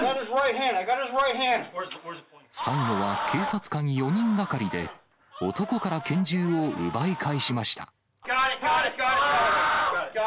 最後は警察官４人がかりで、男から拳銃を奪い返しました。